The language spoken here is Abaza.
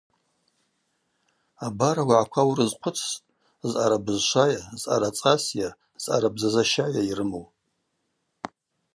Абар ауагӏаква урызхъвыцстӏ: зъара бызшвайа, зъара цӏасйа, зъара бзазащайа йрыму.